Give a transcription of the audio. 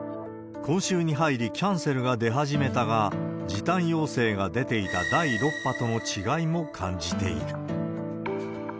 今週に入り、キャンセルが出始めたが、時短要請が出ていた第６波との違いも感じている。